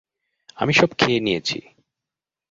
আমি সব খেয়ে নিয়েছি।